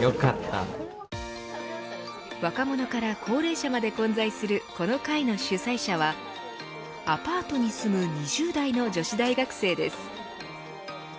若者から高齢者まで混在するこの会の主催者はアパートに住む２０代の女子大学生です。